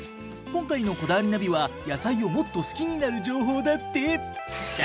今回の『こだわりナビ』は野菜をもっと好きになる情報だって。